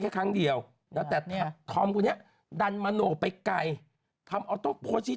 นางคิดแบบว่าไม่ไหวแล้วไปกด